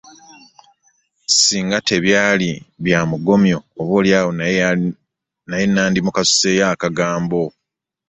Ssinga tebyali bya mugomyo, oboolyawo naye nandimukasuseeyo akagambo.